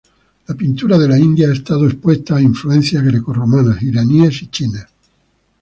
La pintura de la India ha estado expuesta a influencias greco-romanas, iraníes y chinas.